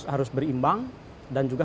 harus berimbang dan juga